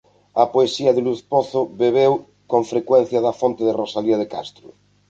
A poesía de Luz Pozo bebeu con frecuencia na fonte de Rosalía de Castro.